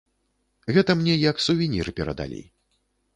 Гэта мне як сувенір перадалі.